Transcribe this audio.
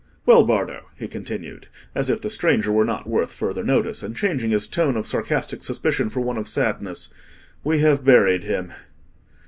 "Well, Bardo," he continued, as if the stranger were not worth further notice, and changing his tone of sarcastic suspicion for one of sadness, "we have buried him."